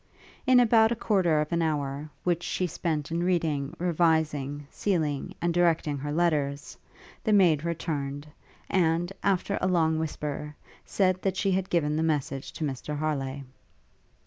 In about a quarter of an hour, which she spent in reading, revising, sealing, and directing her letters, the maid returned; and, after a long whisper, said, that she had given the message to Mr Harleigh.